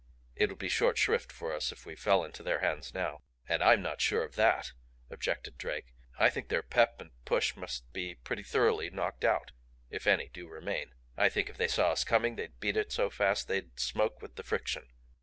It would be short shrift for us if we fell into their hands now." "And I'm not sure of THAT," objected Drake. "I think their pep and push must be pretty thoroughly knocked out if any do remain. I think if they saw us coming they'd beat it so fast that they'd smoke with the friction."